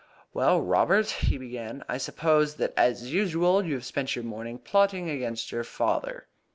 "Well, Robert," he began, "I suppose that, as usual, you have spent your morning plotting against your father?"